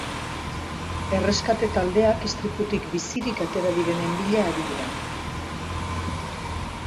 Erreskate taldeak istriputik bizirik atera direnen bila ari dira.